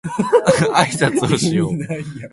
あいさつをしよう